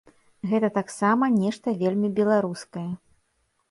Гэта таксама нешта вельмі беларускае.